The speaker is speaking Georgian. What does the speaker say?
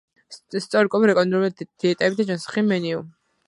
სწორი კვება: რეკომენდაციები, დიეტები და ჯანსაღი მენიუ.